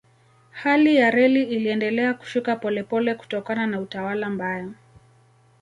Hali ya reli iliendelea kushuka polepole kutokana na utawala mbaya.